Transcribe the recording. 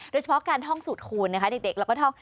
โดยเฉพาะการท่องสูตรคูณนะคะเด็กแล้วก็ท่อง